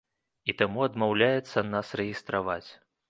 І таму адмаўляецца нас рэгістраваць.